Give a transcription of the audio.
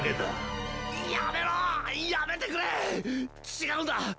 違うんだッ！